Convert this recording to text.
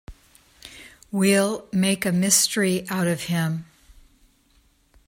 We'll make a mystery out of him.